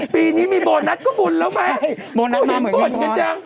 ปีนี้มีโบนัสก็บุญแล้วแม่โอ้โหโบนัสมาเหมือนเงินท้อน